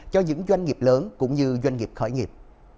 cho những doanh nghiệp lớn cũng như doanh nghiệp khởi nghiệp